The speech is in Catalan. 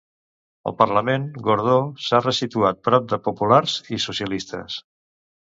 Al Parlament, Gordó s'ha ressituat prop de populars i socialistes.